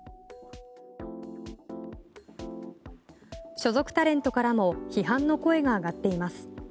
所属タレントからも批判の声が上がっています。